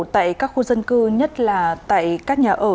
tại các khu dân cư nhất là tại các nhà ở